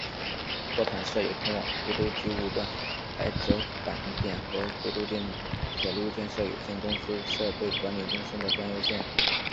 货场设有通往福州机务段来舟折返点和福建铁路建设有限公司设备管理中心的专用线。